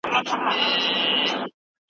ایا ستا په ذهن کي کوم نوی اپلیکیشن سته؟